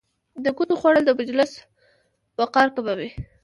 په ګوتو خوړل د مجلس وقار کموي.